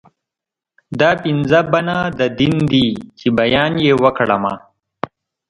دا پنځه بنا د دين دي چې بیان يې وکړ ما